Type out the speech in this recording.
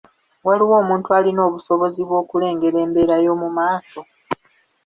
Waliwo omuntu alina obusobozi bw’okulengera embeera y'omu maaso?